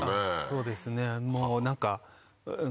そうですね何か。